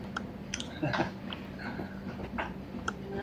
Él acuñó el concepto de "Voluntarismo".